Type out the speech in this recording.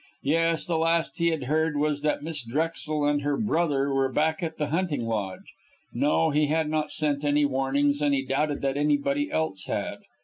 Yes, the last he had heard was that Miss Drexel and her brother were back at the hunting lodge. No; he had not sent any warnings, and he doubted that anybody else had.